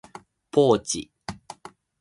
ポーチ